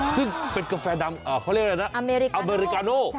ซึ่งเป็นกาแฟน้ำอเมริกาโน